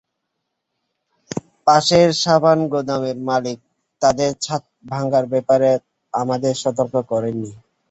পাশের সাবান গুদামের মালিক তাঁদের ছাদ ভাঙার ব্যাপারে আমাদের সতর্ক করেননি।